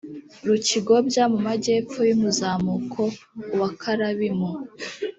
rukigobya mu majyepfo y’umuzamuko w’akarabimu